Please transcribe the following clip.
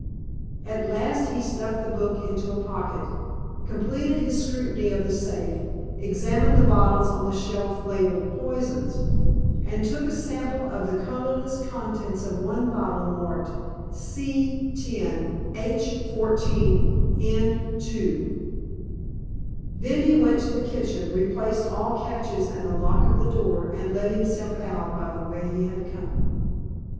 At last, he stuffed the book into a pocket, completed his scrutiny of the safe, examined the bottles on the shelf labeled "poisons," and took a sample of the colorless contents of one bottle marked "C10H14N2." Then he went to the kitchen, replaced all catches and the lock of the door, and let himself out by the way he had come.